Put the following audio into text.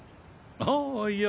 ああいや。